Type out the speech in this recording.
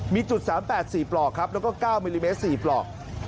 มีจุด๓๘๔ปลอกครับแล้วก็๙มิลลิเมตร๔ปลอก